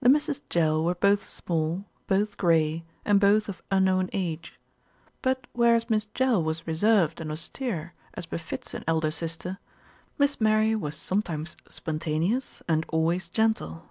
The Misses Jell were both small, both prey, and both of unknown age; but whereas Miss Tell was re served and austere, as befits an elder sister, Miss Mary was sometimes spontaneous and always gentle.